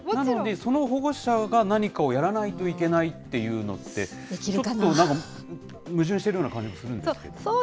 その保護者が、何かをやらないといけないっていうのって、ちょっとなんか、矛盾してるようなできるかな？